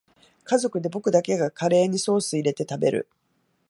家族で僕だけがカレーにソースいれて食べる